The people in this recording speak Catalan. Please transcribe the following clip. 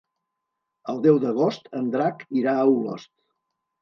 El deu d'agost en Drac irà a Olost.